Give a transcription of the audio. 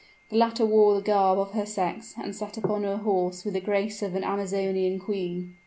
The latter wore the garb of her sex, and sat upon her horse with the grace of an amazonian queen.